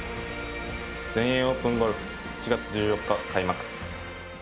全英オープンゴルフ７月１４日開幕。